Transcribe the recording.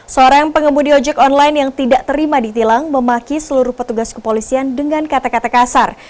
seorang pengemudi ojek online yang tidak terima ditilang memaki seluruh petugas kepolisian dengan kata kata kasar